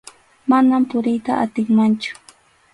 Manam puriyta atinmanchu.